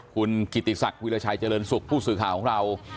คุณกิติศักดิ์วิราชัยเจริญสุขผู้สื่อข่าวของเรา